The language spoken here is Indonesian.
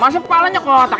masa kepalanya kotak